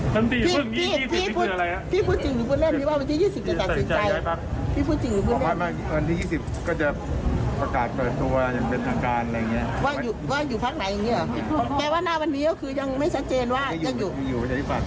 แกว่าหน้าวันนี้ก็คือยังไม่ชัดเจนว่าจะอยู่